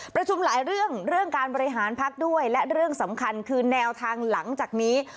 ประชุมหลายเรื่องเรื่องการบริหารพักด้วยและเรื่องสำคัญคือแนวทางหลังจากนี้